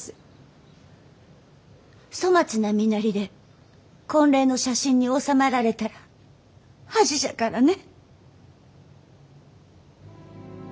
粗末な身なりで婚礼の写真に収まられたら恥じゃからね。